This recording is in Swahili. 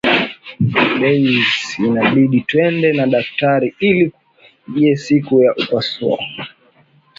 Daisy inabidi twende kwa daktari ili akupangie siku ya upasuajialisema Juliana